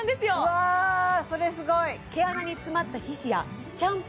うわそれすごい！